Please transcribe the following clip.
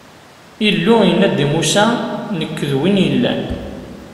Illu yenna-d i Musa: Nekk, d Win yellan.